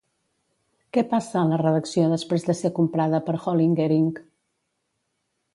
Què passa a la redacció després de ser comprada per Hollinger Inc.?